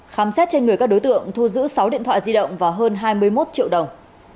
khám xét trên người các đối tượng thu giữ sáu điện thoại di động và hơn hai mươi một triệu đồng